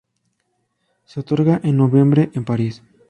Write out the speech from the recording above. Se otorga en noviembre en París.